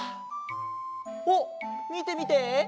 あっみてみて！